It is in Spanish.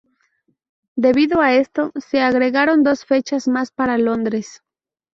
Debido a esto, se agregaron dos fechas más para Londres.